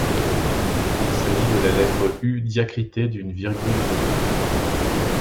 Il s’agit de la lettre U diacritée d’une virgule suscrite.